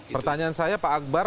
pertanyaan saya pak akbar